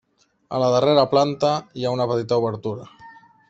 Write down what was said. A la darrera planta, hi ha una petita obertura.